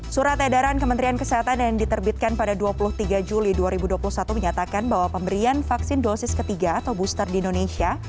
surat edaran kementerian kesehatan yang diterbitkan pada dua puluh tiga juli dua ribu dua puluh satu menyatakan bahwa pemberian vaksin dosis ketiga atau booster di indonesia